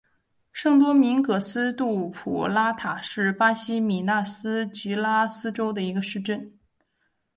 圣多明戈斯杜普拉塔是巴西米纳斯吉拉斯州的一个市镇。